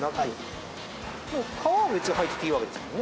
皮は別に入ってていいわけですもんね？